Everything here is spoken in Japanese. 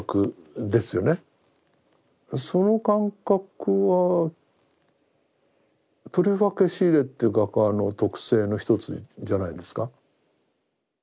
その感覚はとりわけシーレという画家の特性の一つじゃないですか。